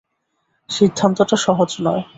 সিদ্ধান্তটা সহজ নয়।